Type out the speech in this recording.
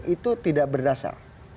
itu tidak berdasar